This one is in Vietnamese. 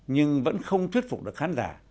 nhưng vẫn không thuyết phục được khán giả